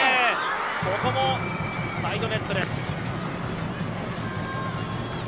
ここもサイドネットです。